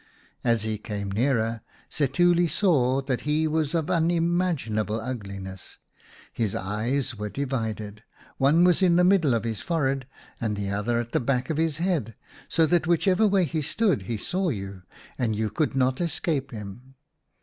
As he came nearer, Setuli saw that he was of un imaginable ugliness. His eyes were divided ; one was in the middle of his forehead and the other at the back of his head, so that which ever way he stood he saw you, and you could not escape him.